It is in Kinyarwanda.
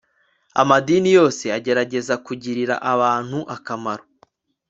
amadini yose agerageza kugirira abantu akamaro